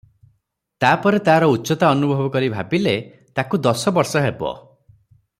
ତାପରେ ତାର ଉଚ୍ଚତା ଅନୁଭବ କରି ଭାବିଲେ, ତାକୁ ବର୍ଷ ଦଶ ହେବ ।